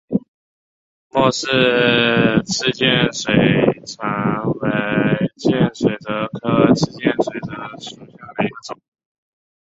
莫氏刺剑水蚤为剑水蚤科刺剑水蚤属下的一个种。